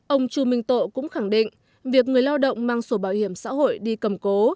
ông chu minh tộ cũng khẳng định việc người lao động mang sổ bảo hiểm xã hội đi cầm cố